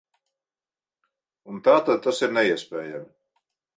Un tātad tas ir neiespējami.